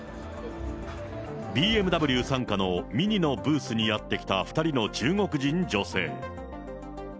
ＢＭＷ傘下のＭＩＮＩのブースにやって来た２人の中国人女性。